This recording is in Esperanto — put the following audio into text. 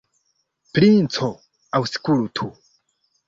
Princo, aŭskultu!